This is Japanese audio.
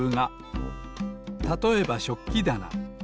たとえばしょっきだな。